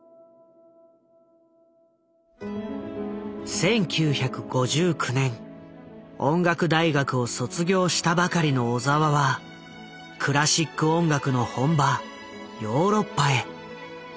１９５９年音楽大学を卒業したばかりの小澤はクラシック音楽の本場ヨーロッパへ。